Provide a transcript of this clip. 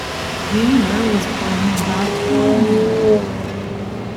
Wilner was born in Baltimore, Maryland.